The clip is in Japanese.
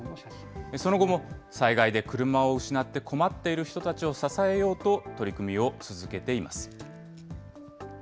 その後も、災害で車を失って困っている人たちを支えようと、取り組みを続けています。